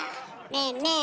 ねえねえ